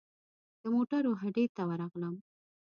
د موټرو هډې ته ورغلم.